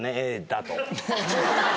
「Ａだと」